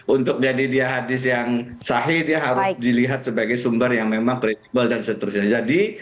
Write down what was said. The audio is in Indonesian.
untuk jadi dia hadis yang sahih dia harus dilihat sebagai sumber yang memang kredibel dan seterusnya